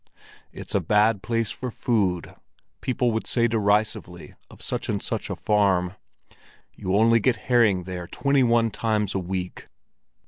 "It's a bad place for food," people would say derisively of such and such a farm. "You only get herring there twenty one times a week."